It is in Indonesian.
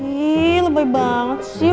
ih lebay banget sih